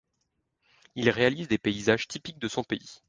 Il réalise des paysages typiques de son pays.